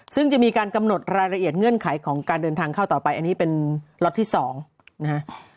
ซึ่งจะมีการกำหนดรายละเอียดเงื่อนไขของการเดินทางเข้าต่อไปอันนี้เป็นล็อตที่๒นะฮะ